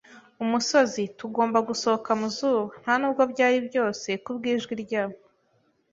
umusozi, tugomba gusohoka mu zuba. Ntanubwo byari byose, kubwijwi rya